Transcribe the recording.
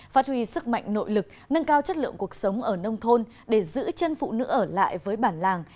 phát huy sức mạnh nội lực nâng cao chất lượng cuộc sống ở nông thôn để giữ chân phụ nữ ở lại với bản làng